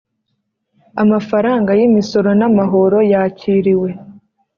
Amafaranga y imisoro n amahoro yakiriwe